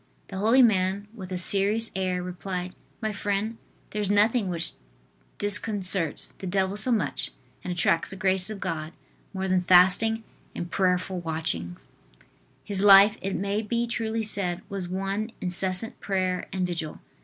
The holy man, with a serious air, replied: "My friend, there is nothing which disconcerts the devil so much, and attracts the graces of God, more than fasting and prayerful watchings." His life, it may be truly said, was one incessant prayer and vigil.